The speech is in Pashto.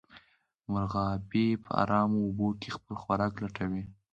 مرغابۍ په ارامو اوبو کې خپل خوراک لټوي